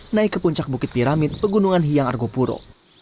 naik ke puncak bukit piramid pegunungan hiang argopuro